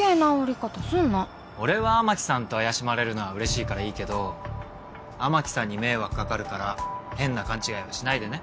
俺は雨樹さんと怪しまれるのはうれしいからいいけど雨樹さんに迷惑かかるから変な勘違いはしないでね。